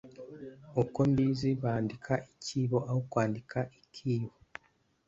Uko mbizi bandika icyibo aho kwandika ikibo